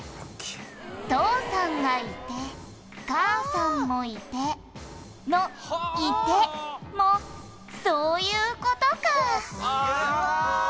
「“父さんがいて母さんもいて”の“いて”もそういう事か」ああ！